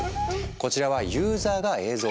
こちらはユーザーが映像を投稿。